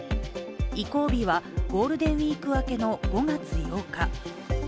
移行日はゴールデンウイーク明けの５月８日。